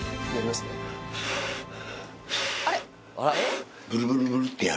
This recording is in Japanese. あれ？